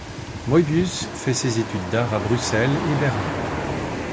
Moebius fait ses études d'art à Bruxelles et Berlin.